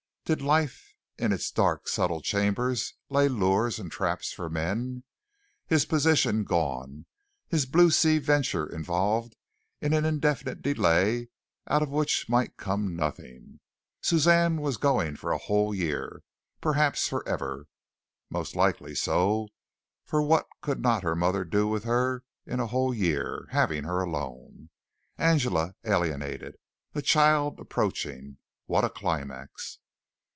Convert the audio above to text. Did life in its dark, subtle chambers lay lures and traps for men? His position gone, his Blue Sea venture involved in an indefinite delay out of which might come nothing, Suzanne going for a whole year, perhaps for ever, most likely so, for what could not her mother do with her in a whole year, having her alone? Angela alienated a child approaching. What a climax!